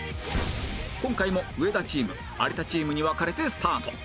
今回も上田チーム有田チームに分かれてスタート